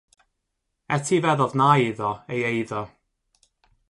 Etifeddodd nai iddo ei eiddo.